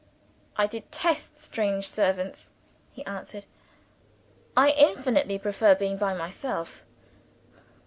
"I detest strange servants," he answered. "I infinitely prefer being by myself."